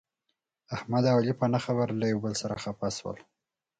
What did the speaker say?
احمد او علي په نه خبره یو له بل سره خپه شول.